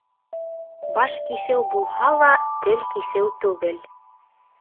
Баш киҫеү булһа ла, тел киҫеү түгел.